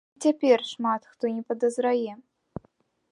Дый цяпер шмат хто не падазрае.